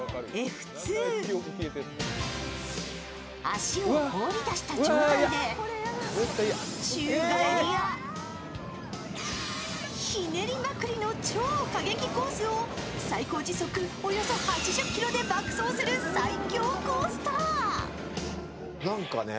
足を放り出した状態で宙返りやひねりまくりの超過激コースを最高時速およそ８０キロで爆走する最恐コースター。